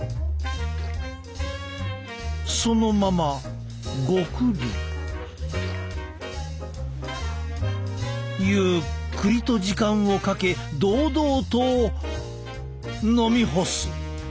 そのままゴクリ。ゆっくりと時間をかけ堂々と飲み干す。